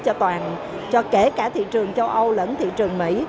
cho toàn cho kể cả thị trường châu âu lẫn thị trường mỹ